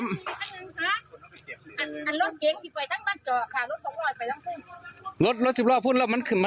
อันรถเก๋งที่ไปตั้งมาเจาะค่ะ